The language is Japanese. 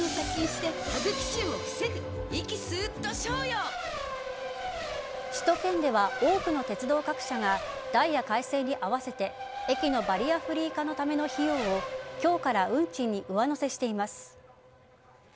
対空ミサイルなどを首都圏では多くの鉄道各社がダイヤ改正に合わせて駅のバリアフリー化のための費用を今日から運賃に上乗せしています。